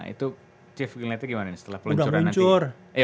itu chief ini ngeliatnya gimana setelah peluncuran